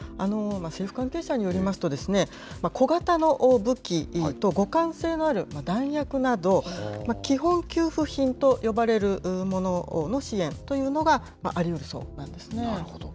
政府関係者によりますと、小型の武器と互換性のある弾薬など、基本供給品と呼ばれるものの支援というのがありうるそうなんです